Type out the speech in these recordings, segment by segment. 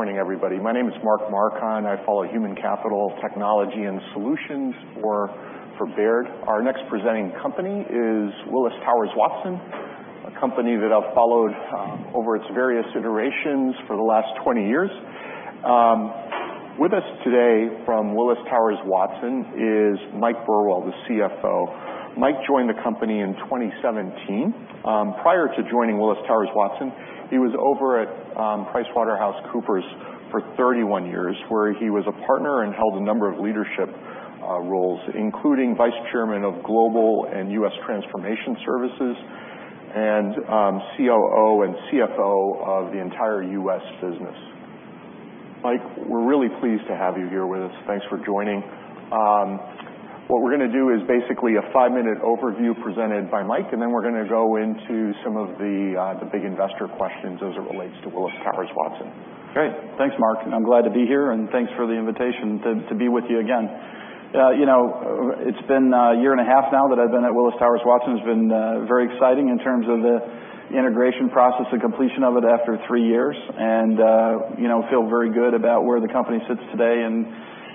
Morning, everybody. My name is Mark Marcon. I follow human capital technology and solutions for Baird. Our next presenting company is Willis Towers Watson, a company that I've followed over its various iterations for the last 20 years. With us today from Willis Towers Watson is Mike Burwell, the CFO. Mike joined the company in 2017. Prior to joining Willis Towers Watson, he was over at PricewaterhouseCoopers for 31 years, where he was a partner and held a number of leadership roles, including Vice Chairman of Global and U.S. Transformation Services and COO and CFO of the entire U.S. business. Mike, we're really pleased to have you here with us. Thanks for joining. What we're going to do is basically a 5-minute overview presented by Mike, then we're going to go into some of the big investor questions as it relates to Willis Towers Watson. Great. Thanks, Mark. I'm glad to be here, and thanks for the invitation to be with you again. It's been a year and a half now that I've been at Willis Towers Watson. It's been very exciting in terms of the integration process and completion of it after 3 years, feel very good about where the company sits today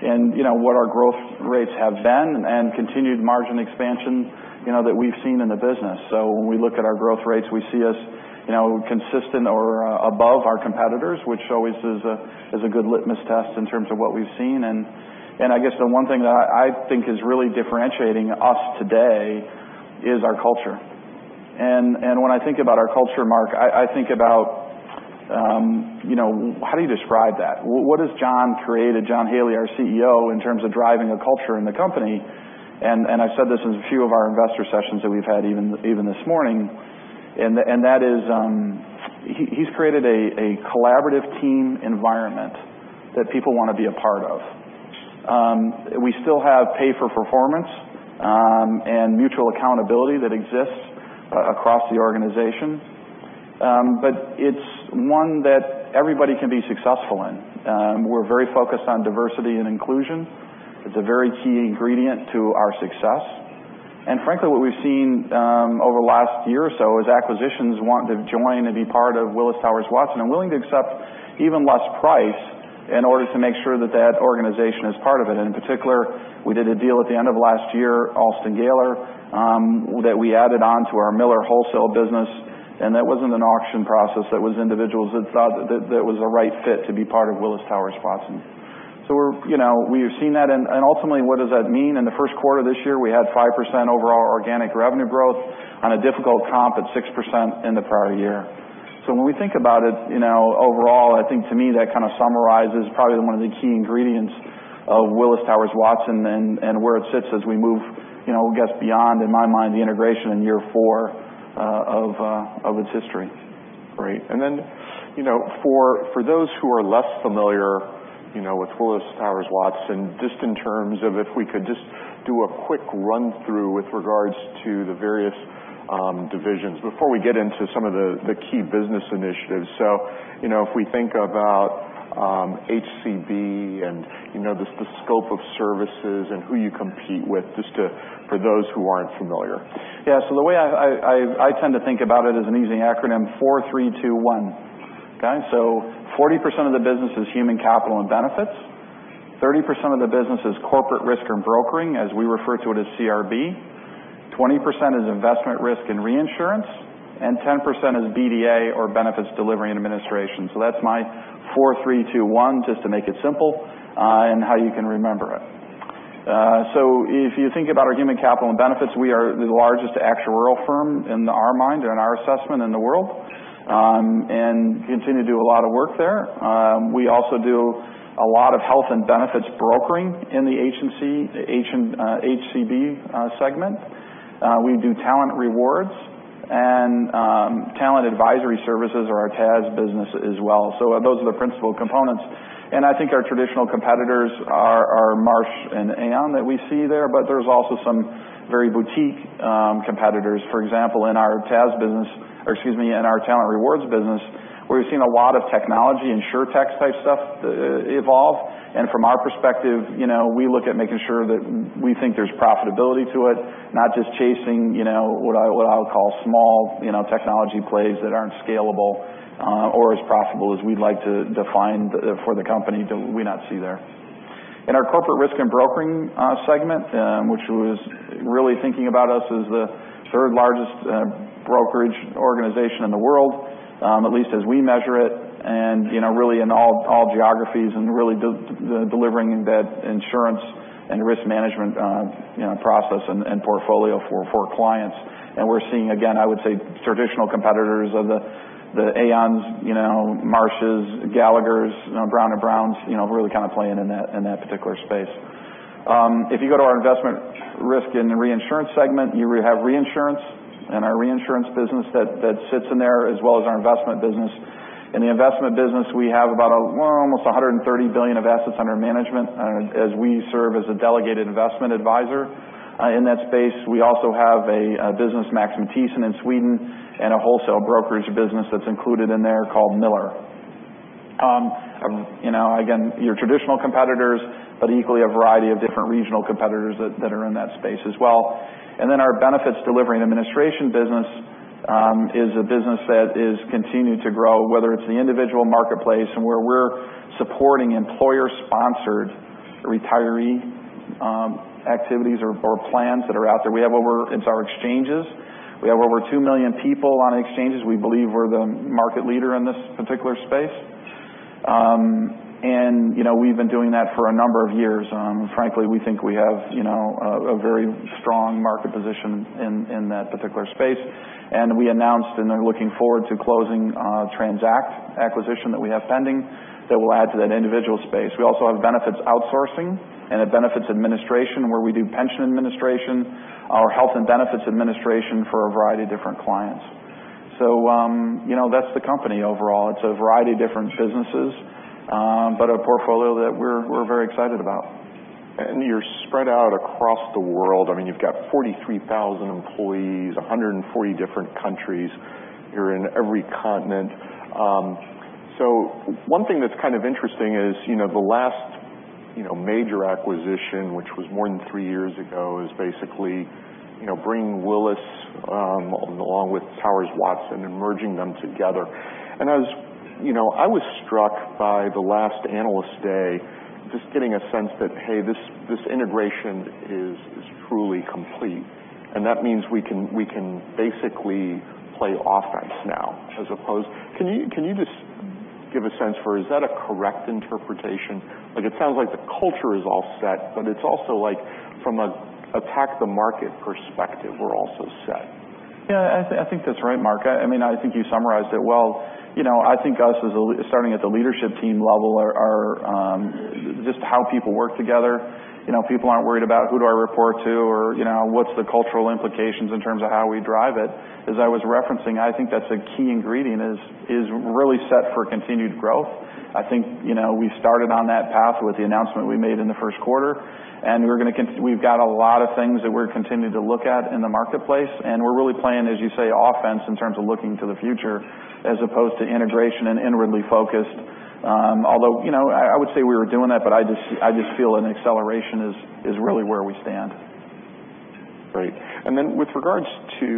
and what our growth rates have been and continued margin expansion that we've seen in the business. When we look at our growth rates, we see us consistent or above our competitors, which always is a good litmus test in terms of what we've seen. I guess the one thing that I think is really differentiating us today is our culture. When I think about our culture, Mark, I think about how do you describe that? What has John created, John Haley, our CEO, in terms of driving a culture in the company? I've said this in a few of our investor sessions that we've had even this morning, that is he's created a collaborative team environment that people want to be a part of. We still have pay for performance and mutual accountability that exists across the organization, but it's one that everybody can be successful in. We're very focused on diversity and inclusion. It's a very key ingredient to our success. Frankly, what we've seen over the last year or so is acquisitions wanting to join and be part of Willis Towers Watson, willing to accept even less price in order to make sure that that organization is part of it. In particular, we did a deal at the end of last year, Alston Gayler & Co, that we added on to our Miller wholesale business, that wasn't an auction process. That was individuals that thought that it was a right fit to be part of Willis Towers Watson. We've seen that, ultimately, what does that mean? In the first quarter this year, we had 5% overall organic revenue growth on a difficult comp at 6% in the prior year. When we think about it, overall, I think to me, that kind of summarizes probably one of the key ingredients of Willis Towers Watson and where it sits as we move, I guess, beyond, in my mind, the integration in year 4 of its history. Great. For those who are less familiar with Willis Towers Watson, just in terms of if we could just do a quick run through with regards to the various divisions before we get into some of the key business initiatives. If we think about HCB and just the scope of services and who you compete with, just for those who aren't familiar. The way I tend to think about it is in using the acronym 4321. 40% of the business is human capital and benefits, 30% of the business is corporate risk and brokering, as we refer to it as CRB, 20% is investment risk and reinsurance, and 10% is BDA or benefits delivery and administration. That's my 4321, just to make it simple and how you can remember it. If you think about our human capital and benefits, we are the largest actuarial firm, in our mind and our assessment, in the world, and continue to do a lot of work there. We also do a lot of health and benefits brokering in the HCB segment. We do talent rewards and talent advisory services or our TAS business as well. Those are the principal components. I think our traditional competitors are Marsh & Aon that we see there, but there's also some very boutique competitors. For example, in our TAS business, or excuse me, in our talent rewards business, where we've seen a lot of technology insurtech type stuff evolve. From our perspective, we look at making sure that we think there's profitability to it, not just chasing what I would call small technology plays that aren't scalable or as profitable as we'd like to define for the company that we not see there. In our corporate risk and brokering segment, which was really thinking about us as the third largest brokerage organization in the world, at least as we measure it, and really in all geographies and really delivering that insurance and risk management process and portfolio for clients. We're seeing, again, I would say traditional competitors of the Aons, Marshes, Gallaghers, Brown & Browns, really kind of playing in that particular space. If you go to our investment risk and reinsurance segment, you have reinsurance and our reinsurance business that sits in there, as well as our investment business. In the investment business, we have about almost $130 billion of assets under management as we serve as a delegated investment advisor in that space. We also have a business, Max Matthiessen, in Sweden and a wholesale brokerage business that's included in there called Miller. Again, your traditional competitors, but equally a variety of different regional competitors that are in that space as well. Our benefits delivery and administration business is a business that is continuing to grow, whether it's the individual marketplace and where we're supporting employer-sponsored retiree activities or plans that are out there. It's our exchanges. We have over 2 million people on exchanges. We believe we're the market leader in this particular space. We've been doing that for a number of years. Frankly, we think we have a very strong market position in that particular space. We announced and are looking forward to closing TRANZACT acquisition that we have pending that will add to that individual space. We also have benefits outsourcing and a benefits administration where we do pension administration or health and benefits administration for a variety of different clients. That's the company overall. It's a variety of different businesses, but a portfolio that we're very excited about. You're spread out across the world. You've got 43,000 employees, 140 different countries. You're in every continent. One thing that's kind of interesting is the last major acquisition, which was more than 3 years ago, is basically bringing Willis along with Towers Watson and merging them together. I was struck by the last Analyst Day, just getting a sense that, hey, this integration is truly complete, and that means we can basically play offense now. Can you just give a sense for, is that a correct interpretation? It sounds like the culture is all set, but it's also like from attack the market perspective, we're also set. Yeah, I think that's right, Mark. I think you summarized it well. I think us, starting at the leadership team level, just how people work together. People aren't worried about who do I report to or what's the cultural implications in terms of how we drive it. As I was referencing, I think that's a key ingredient is really set for continued growth. I think we started on that path with the announcement we made in the first quarter. We've got a lot of things that we're continuing to look at in the marketplace. We're really playing, as you say, offense in terms of looking to the future as opposed to integration and inwardly focused. I would say we were doing that, but I just feel an acceleration is really where we stand. Great. With regards to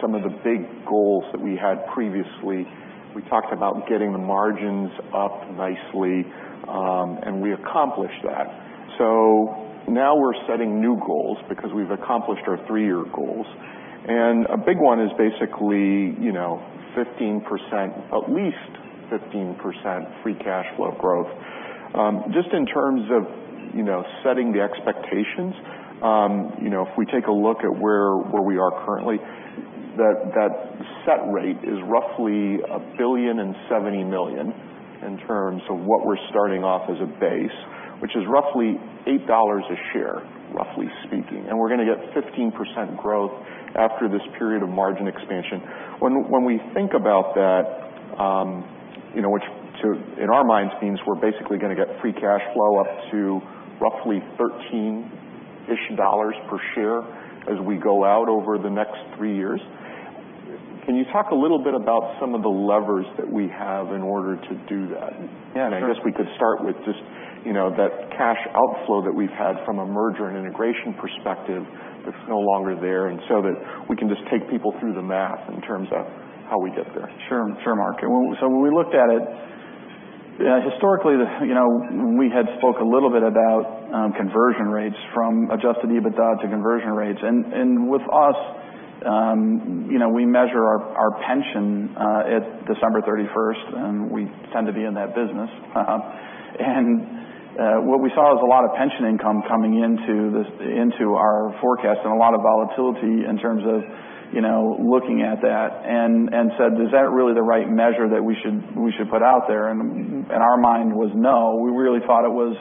some of the big goals that we had previously, we talked about getting the margins up nicely. We accomplished that. Now we're setting new goals because we've accomplished our 3-year goals. A big one is basically at least 15% free cash flow growth. Just in terms of setting the expectations, if we take a look at where we are currently, that set rate is roughly $1.07 billion in terms of what we're starting off as a base, which is roughly $8 a share, roughly speaking. We're going to get 15% growth after this period of margin expansion. When we think about that, which in our minds means we're basically going to get free cash flow up to roughly $13-ish per share as we go out over the next 3 years. Can you talk a little bit about some of the levers that we have in order to do that? Yeah, sure. I guess we could start with just that cash outflow that we've had from a merger and integration perspective that's no longer there, and so that we can just take people through the math in terms of how we get there. Sure, Mark. When we looked at it, historically we had spoke a little bit about conversion rates from adjusted EBITDA to conversion rates. With us, we measure our pension at December 31st, and we tend to be in that business. What we saw was a lot of pension income coming into our forecast and a lot of volatility in terms of looking at that and said, "Is that really the right measure that we should put out there?" Our mind was no, we really thought it was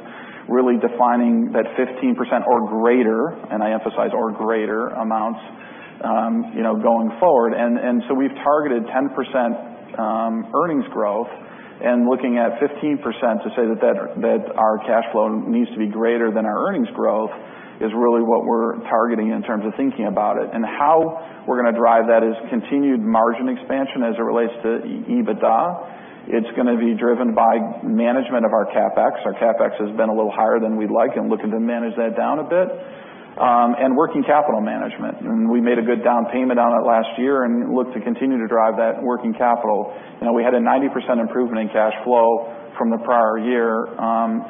really defining that 15% or greater, and I emphasize or greater amounts going forward. We've targeted 10% earnings growth and looking at 15% to say that our cash flow needs to be greater than our earnings growth is really what we're targeting in terms of thinking about it. How we're going to drive that is continued margin expansion as it relates to EBITDA. It's going to be driven by management of our CapEx. Our CapEx has been a little higher than we'd like, looking to manage that down a bit. Working capital management. We made a good down payment on it last year and look to continue to drive that working capital. We had a 90% improvement in cash flow from the prior year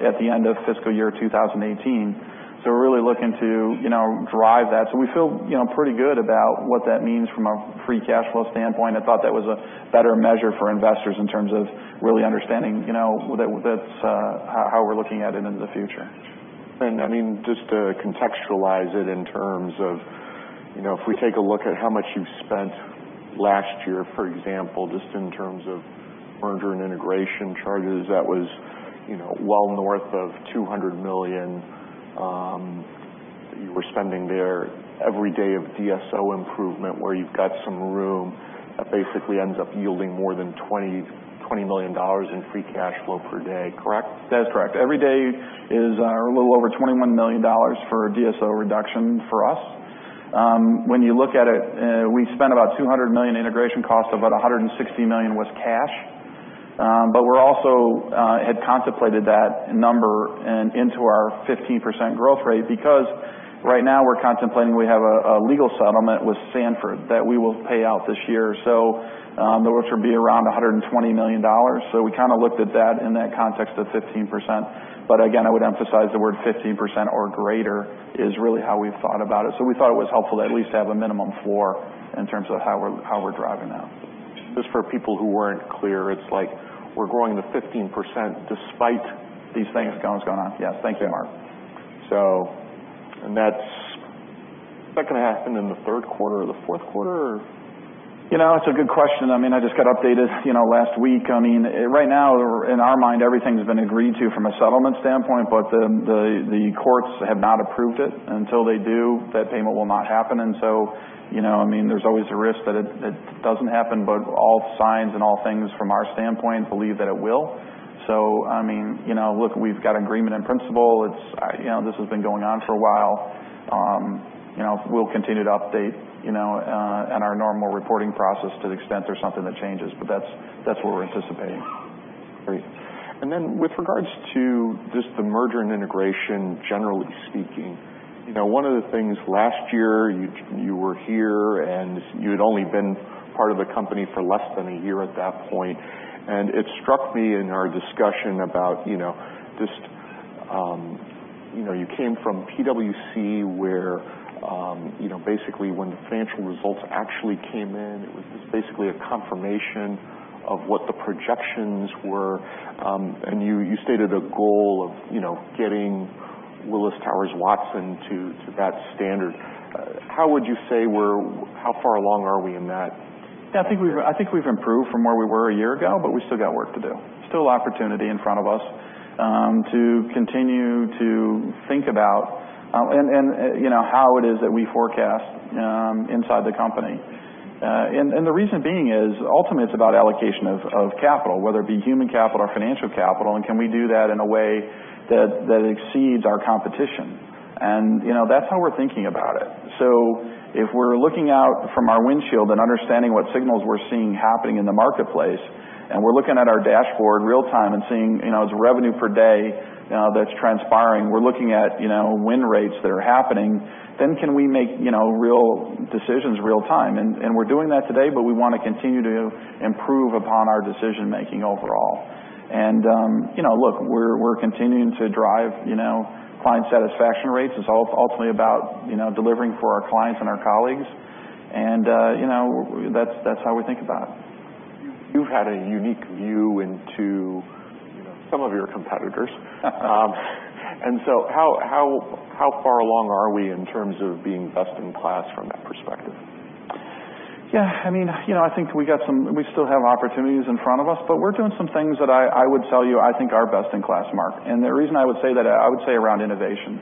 at the end of fiscal year 2018. We're really looking to drive that. We feel pretty good about what that means from a free cash flow standpoint. I thought that was a better measure for investors in terms of really understanding that's how we're looking at it into the future. Just to contextualize it in terms of if we take a look at how much you've spent last year, for example, just in terms of merger and integration charges, that was well north of $200 million that you were spending there every day of DSO improvement where you've got some room that basically ends up yielding more than $20 million in free cash flow per day, correct? That's correct. Every day is a little over $21 million for a DSO reduction for us. When you look at it, we spent about $200 million integration cost, about $160 million was cash. We also had contemplated that number into our 15% growth rate, because right now we're contemplating we have a legal settlement with Stanford that we will pay out this year. Those would be around $120 million. We looked at that in that context of 15%. Again, I would emphasize the word 15% or greater is really how we've thought about it. We thought it was helpful to at least have a minimum floor in terms of how we're driving that. Just for people who weren't clear, it's like we're growing the 15% despite these things going on. Yes. Thank you, Mark. Is that going to happen in the third quarter or the fourth quarter, or? It's a good question. I just got updated last week. Right now, in our mind, everything's been agreed to from a settlement standpoint, but the courts have not approved it. Until they do, that payment will not happen. There's always a risk that it doesn't happen, but all signs and all things from our standpoint believe that it will. Look, we've got agreement in principle. This has been going on for a while. We'll continue to update in our normal reporting process to the extent there's something that changes, but that's what we're anticipating. Great. With regards to just the merger and integration, generally speaking, one of the things last year, you were here, and you had only been part of the company for less than a year at that point. It struck me in our discussion about just you came from PwC, where basically when the financial results actually came in, it was just basically a confirmation of what the projections were, and you stated a goal of getting Willis Towers Watson to that standard. How would you say how far along are we in that? Yeah, I think we've improved from where we were a year ago, but we still got work to do. Still opportunity in front of us to continue to think about how it is that we forecast inside the company. The reason being is, ultimately, it's about allocation of capital, whether it be human capital or financial capital, and can we do that in a way that exceeds our competition? That's how we're thinking about it. If we're looking out from our windshield and understanding what signals we're seeing happening in the marketplace, and we're looking at our dashboard real time and seeing as revenue per day that's transpiring, we're looking at win rates that are happening, then can we make real decisions real time? We're doing that today, but we want to continue to improve upon our decision-making overall. Look, we're continuing to drive client satisfaction rates. It's ultimately about delivering for our clients and our colleagues. That's how we think about it. You've had a unique view into some of your competitors. How far along are we in terms of being best in class from that perspective? I think we still have opportunities in front of us, we're doing some things that I would tell you I think are best in class, Mark. The reason I would say that, I would say around innovation.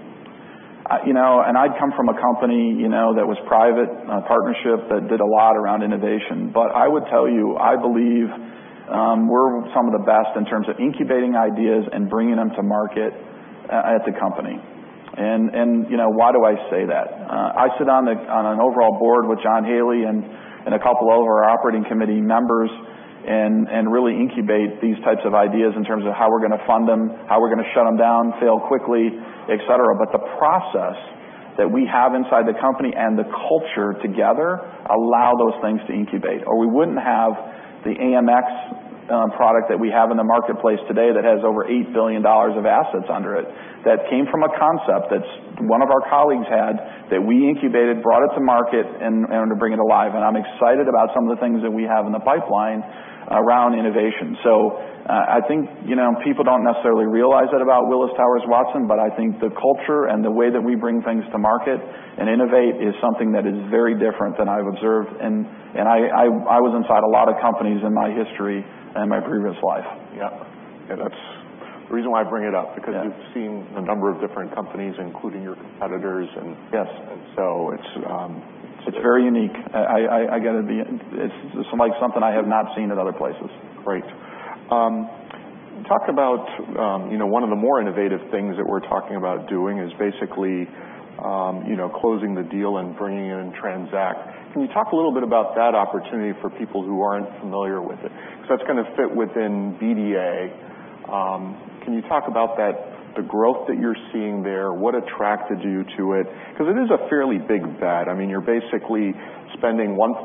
I come from a company that was private partnership that did a lot around innovation. I would tell you, I believe we're some of the best in terms of incubating ideas and bringing them to market at the company. Why do I say that? I sit on an overall board with John Haley and a couple of our Operating Committee members and really incubate these types of ideas in terms of how we're going to fund them, how we're going to shut them down, fail quickly, et cetera. The process that we have inside the company and the culture together allow those things to incubate, or we wouldn't have the AMN product that we have in the marketplace today that has over $8 billion of assets under it. That came from a concept that one of our colleagues had, that we incubated, brought it to market, and to bring it alive. I'm excited about some of the things that we have in the pipeline around innovation. I think people don't necessarily realize that about Willis Towers Watson, I think the culture and the way that we bring things to market and innovate is something that is very different than I've observed. I was inside a lot of companies in my history and my previous life. Yeah. Okay. That's the reason why I bring it up, because you've seen a number of different companies, including your competitors, and- Yes so it's- It's very unique. It's like something I have not seen at other places. Great. Talk about one of the more innovative things that we're talking about doing is basically closing the deal and bringing in TRANZACT. Can you talk a little bit about that opportunity for people who aren't familiar with it? Because that's going to fit within BDA. Can you talk about the growth that you're seeing there? What attracted you to it? Because it is a fairly big bet. You're basically spending $1.2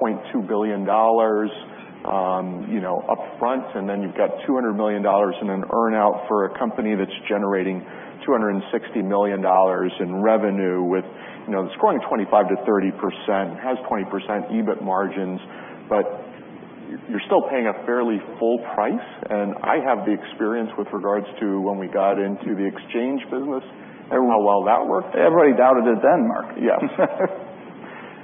billion upfront, then you've got $200 million in an earn-out for a company that's generating $260 million in revenue with it's growing 25%-30%, has 20% EBIT margins, but you're still paying a fairly full price. I have the experience with regards to when we got into the exchange business and how well that worked. Everybody doubted it then, Mark. Yeah.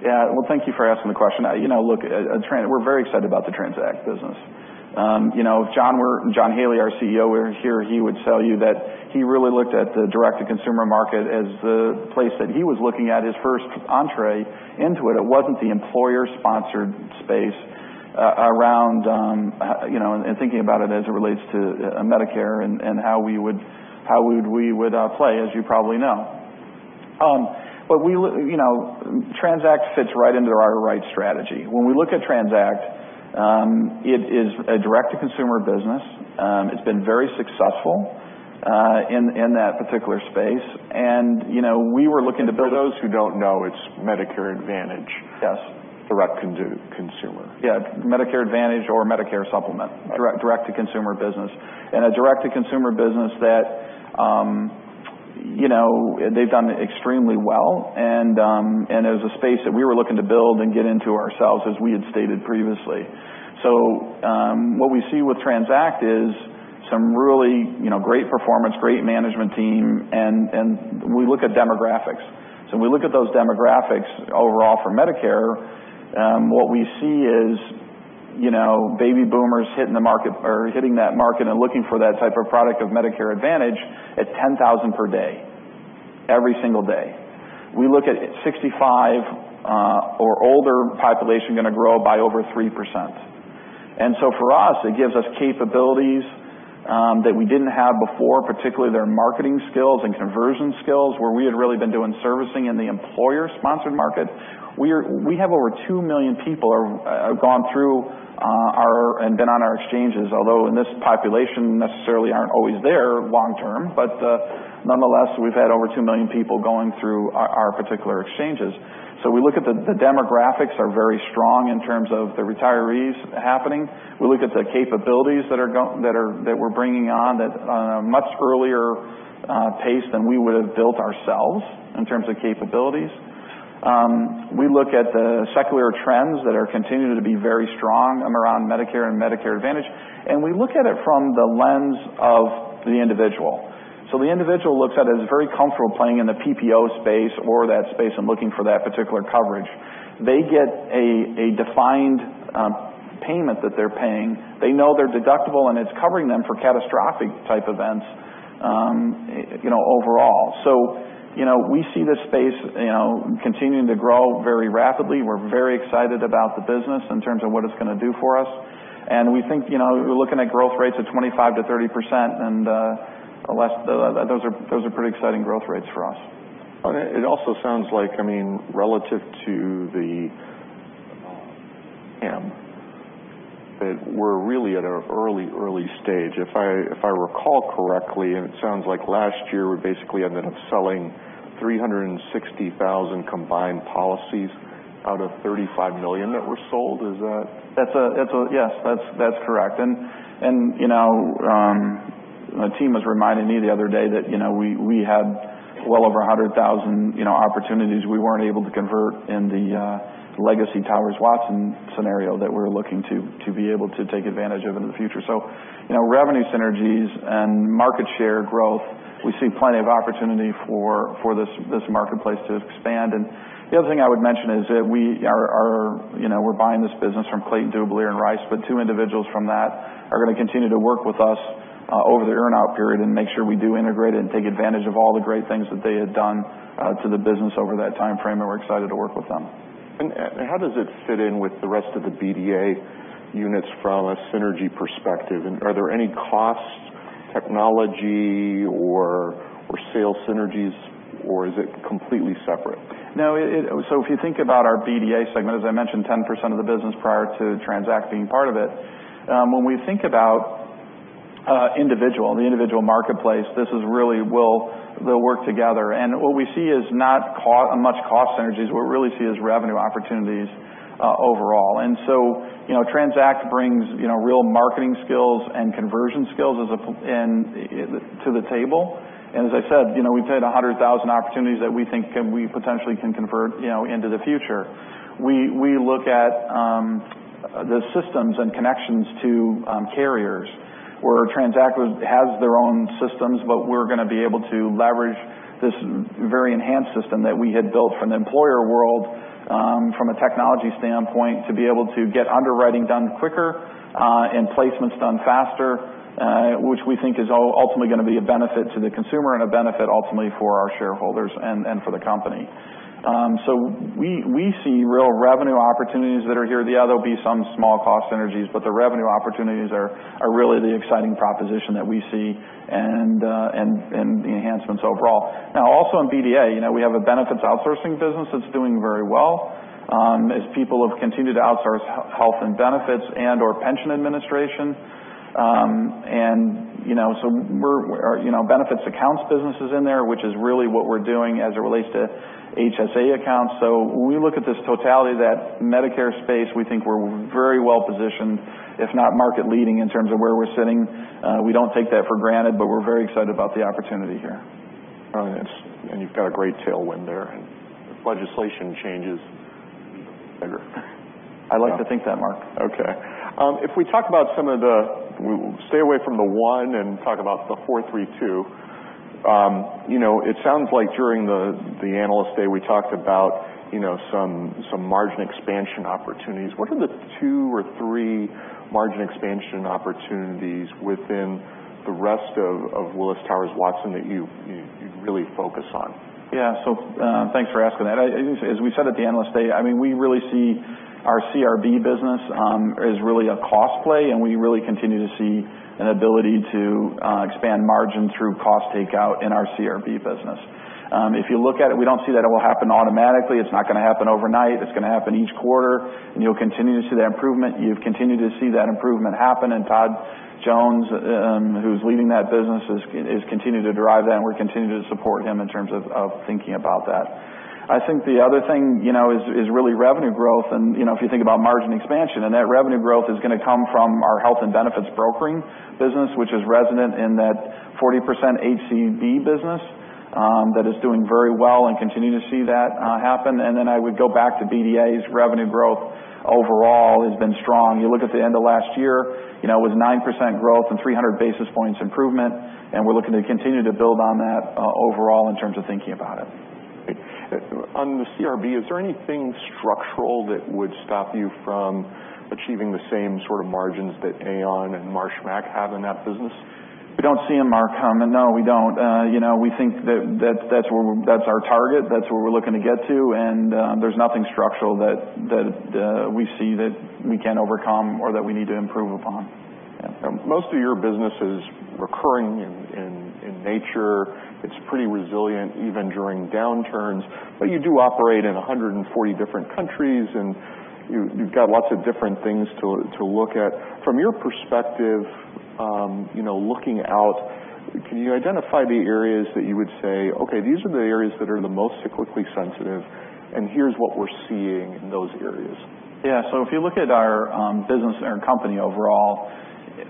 Yeah. Well, thank you for asking the question. Look, we're very excited about the TRANZACT business. If John Haley, our CEO, were here, he would tell you that he really looked at the direct-to-consumer market as the place that he was looking at his first entrée into it. It wasn't the employer-sponsored space around thinking about it as it relates to Medicare and how we would play, as you probably know. TRANZACT fits right into our right strategy. When we look at TRANZACT, it is a direct-to-consumer business. It's been very successful in that particular space. We were looking to build. For those who don't know, it's Medicare Advantage. Yes. Direct to consumer. Yeah. Medicare Advantage or Medicare Supplement, direct-to-consumer business, and a direct-to-consumer business that they've done extremely well, and it was a space that we were looking to build and get into ourselves, as we had stated previously. What we see with TRANZACT is some really great performance, great management team, and we look at demographics. We look at those demographics overall for Medicare, what we see is baby boomers hitting that market and looking for that type of product of Medicare Advantage at 10,000 per day, every single day. We look at 65 or older population going to grow by over 3%. For us, it gives us capabilities that we didn't have before, particularly their marketing skills and conversion skills, where we had really been doing servicing in the employer-sponsored market. We have over 2 million people gone through and been on our exchanges. Although in this population, necessarily aren't always there long-term, but nonetheless, we've had over 2 million people going through our particular exchanges. We look at the demographics are very strong in terms of the retirees happening. We look at the capabilities that we're bringing on at a much earlier pace than we would've built ourselves, in terms of capabilities. We look at the secular trends that are continuing to be very strong around Medicare and Medicare Advantage, and we look at it from the lens of the individual. The individual looks at it as very comfortable playing in the PPO space or that space and looking for that particular coverage. They get a defined payment that they're paying. They know their deductible, and it's covering them for catastrophic type events overall. We see this space continuing to grow very rapidly. We're very excited about the business in terms of what it's going to do for us. We're looking at growth rates of 25%-30% and those are pretty exciting growth rates for us. It also sounds like, relative to the, that we're really at an early stage. If I recall correctly, and it sounds like last year we basically ended up selling 360,000 combined policies out of 35 million that were sold. Is that- Yes. That's correct. A team was reminding me the other day that we had well over 100,000 opportunities we weren't able to convert in the legacy Towers Watson scenario that we're looking to be able to take advantage of in the future. Revenue synergies and market share growth, we see plenty of opportunity for this marketplace to expand. The other thing I would mention is that we're buying this business from Clayton, Dubilier & Rice, two individuals from that are going to continue to work with us, over the earn-out period, and make sure we do integrate it and take advantage of all the great things that they had done to the business over that timeframe, and we're excited to work with them. How does it fit in with the rest of the BDA units from a synergy perspective? Are there any cost, technology or sales synergies, or is it completely separate? No. If you think about our BDA segment, as I mentioned, 10% of the business prior to TRANZACT being part of it. When we think about the individual marketplace, this is really will work together. What we see is not much cost synergies. What we really see is revenue opportunities overall. TRANZACT brings real marketing skills and conversion skills to the table. As I said, we've had 100,000 opportunities that we think we potentially can convert into the future. We look at the systems and connections to carriers where TRANZACT has their own systems, we're going to be able to leverage this very enhanced system that we had built from the employer world, from a technology standpoint, to be able to get underwriting done quicker, and placements done faster, which we think is ultimately going to be a benefit to the consumer and a benefit ultimately for our shareholders and for the company. We see real revenue opportunities that are here. Yeah, there'll be some small cost synergies, the revenue opportunities are really the exciting proposition that we see and the enhancements overall. Now, also in BDA, we have a benefits outsourcing business that's doing very well as people have continued to outsource health and benefits and/or pension administration. Our benefits accounts business is in there, which is really what we're doing as it relates to HSA accounts. When we look at this totality, that Medicare space, we think we're very well positioned, if not market leading in terms of where we're sitting. We don't take that for granted, but we're very excited about the opportunity here. You've got a great tailwind there if legislation changes. I'd like to think that, Mark. Okay. If we talk about some of the we'll stay away from the one and talk about the four three two. It sounds like during the Analyst Day, we talked about some margin expansion opportunities. What are the two or three margin expansion opportunities within the rest of Willis Towers Watson that you really focus on? Yeah. Thanks for asking that. As we said at the Analyst Day, we really see our CRB business as really a cost play, and we really continue to see an ability to expand margin through cost takeout in our CRB business. If you look at it, we don't see that it will happen automatically. It's not going to happen overnight. It's going to happen each quarter, and you'll continue to see that improvement. You've continued to see that improvement happen, and Todd Jones, who's leading that business, has continued to drive that, and we continue to support him in terms of thinking about that. I think the other thing is really revenue growth, and if you think about margin expansion, that revenue growth is going to come from our health and benefits brokering business, which is resonant in that 40% HCB business that is doing very well and continue to see that happen. I would go back to BDA's revenue growth overall has been strong. You look at the end of last year, with 9% growth and 300 basis points improvement, we're looking to continue to build on that overall in terms of thinking about it. On the CRB, is there anything structural that would stop you from achieving the same sort of margins that Aon and Marsh McLennan have in that business? We don't see them, Mark. No, we don't. We think that that's our target. That's where we're looking to get to, there's nothing structural that we see that we can't overcome or that we need to improve upon. Most of your business is recurring in nature. It's pretty resilient, even during downturns. You do operate in 140 different countries, and you've got lots of different things to look at. From your perspective, looking out, can you identify the areas that you would say, "Okay, these are the areas that are the most cyclically sensitive, and here's what we're seeing in those areas. Yeah. If you look at our business and our company overall,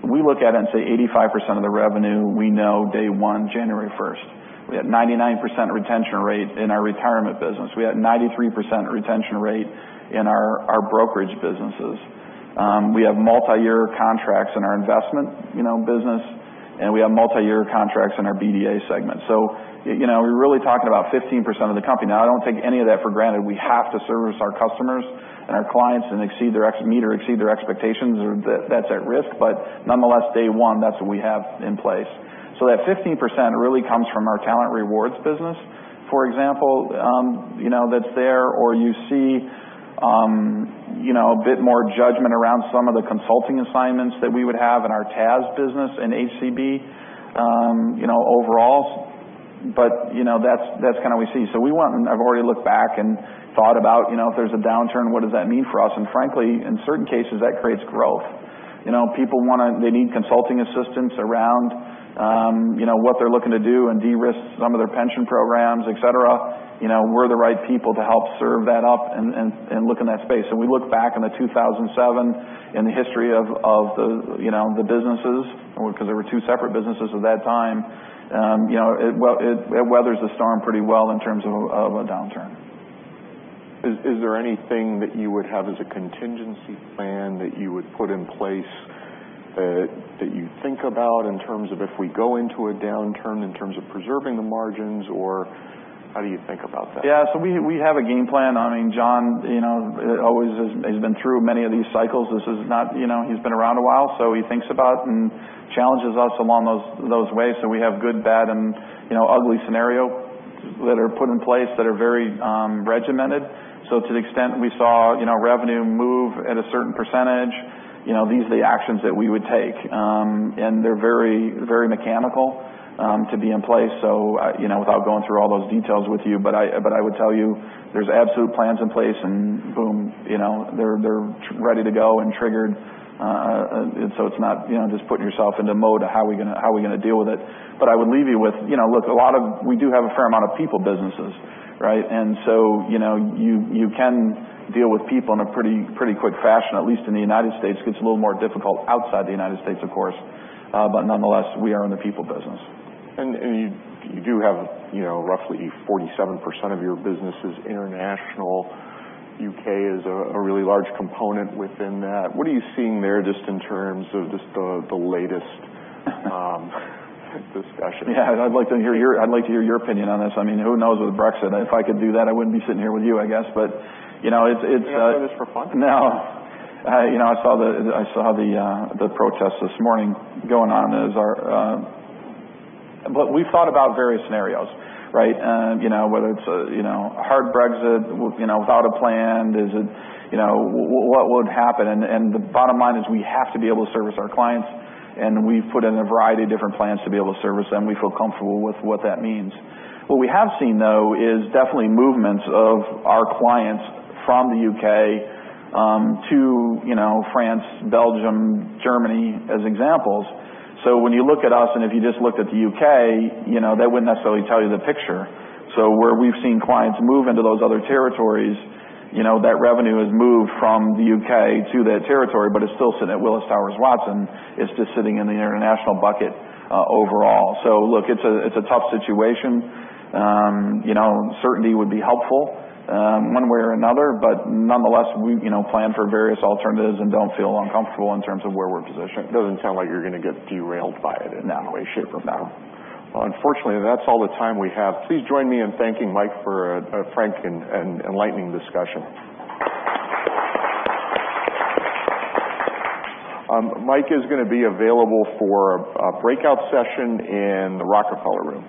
we look at it and say 85% of the revenue we know day one, January 1st. We have 99% retention rate in our retirement business. We have 93% retention rate in our brokerage businesses. We have multi-year contracts in our investment business, and we have multi-year contracts in our BDA segment. We're really talking about 15% of the company. Now, I don't take any of that for granted. We have to service our customers and our clients and meet or exceed their expectations, or that's at risk. Nonetheless, day one, that's what we have in place. That 15% really comes from our talent rewards business. For example, that's there, or you see a bit more judgment around some of the consulting assignments that we would have in our TAS business in HCB overall. That's kind of we see. We've already looked back and thought about if there's a downturn, what does that mean for us? Frankly, in certain cases, that creates growth. They need consulting assistance around what they're looking to do and de-risk some of their pension programs, et cetera. We're the right people to help serve that up and look in that space. We look back on the 2007 in the history of the businesses, because they were two separate businesses at that time. It weathers the storm pretty well in terms of a downturn. Is there anything that you would have as a contingency plan that you would put in place that you think about in terms of if we go into a downturn, in terms of preserving the margins, or how do you think about that? Yeah. We have a game plan. John always has been through many of these cycles. He's been around a while, he thinks about and challenges us along those ways so we have good, bad, and ugly scenario that are put in place that are very regimented. To the extent we saw revenue move at a certain percentage, these are the actions that we would take. They're very mechanical to be in place. Without going through all those details with you, but I would tell you there's absolute plans in place, and boom, they're ready to go and triggered. It's not just putting yourself into mode of how are we going to deal with it. I would leave you with, look, we do have a fair amount of people businesses, right? You can deal with people in a pretty quick fashion, at least in the U.S. Gets a little more difficult outside the U.S., of course. Nonetheless, we are in the people business. You do have roughly 47% of your business is international. U.K. is a really large component within that. What are you seeing there just in terms of just the latest discussion? Yeah. I'd like to hear your opinion on this. Who knows with Brexit? If I could do that, I wouldn't be sitting here with you, I guess. It's. You want to do this for fun? I saw the protests this morning going on. We've thought about various scenarios, right? Whether it's a hard Brexit without a plan, what would happen? The bottom line is we have to be able to service our clients, and we've put in a variety of different plans to be able to service them. We feel comfortable with what that means. What we have seen, though, is definitely movements of our clients from the U.K. to France, Belgium, Germany as examples. When you look at us, and if you just looked at the U.K., that wouldn't necessarily tell you the picture. Where we've seen clients move into those other territories, that revenue has moved from the U.K. to that territory, but it's still sitting at Willis Towers Watson. It's just sitting in the international bucket overall. Look, it's a tough situation. Nonetheless, certainty would be helpful one way or another, we plan for various alternatives and don't feel uncomfortable in terms of where we're positioned. It doesn't sound like you're going to get derailed by it in any way, shape, or form. Unfortunately, that's all the time we have. Please join me in thanking Mike for a frank and enlightening discussion. Mike is going to be available for a breakout session in the Rockefeller room.